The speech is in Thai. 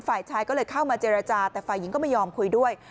ฝ่ายชายก็เลยเข้ามาเจรจาแต่ฝ่ายหญิงก็ไม่ยอมคุยด้วย